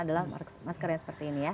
adalah masker yang seperti ini ya